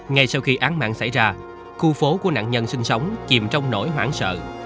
ngay sau khi áng mạng xảy ra khu phố của nạn nhân sinh sống chìm trong nỗi hoảng sợ